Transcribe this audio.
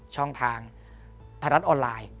ช่องทางทะลัดออนไลน์